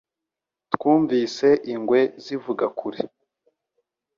Twumvise ingwe zivuga kure